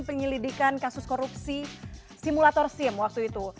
penyelidikan kasus korupsi simulator sim waktu itu